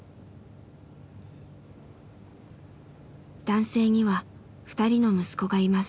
男性には２人の息子がいます。